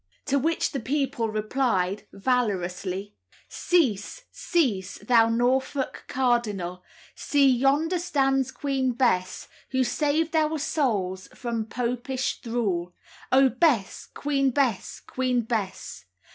To which the people replied, valorously: "Cease, cease, thou Norfolk cardinal, See! yonder stands Queen Bess, Who saved our souls from Popish thrall: Oh, Bess! Queen Bess! Queen Bess!